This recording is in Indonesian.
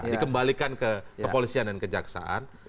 dikembalikan ke kepolisian dan kejaksaan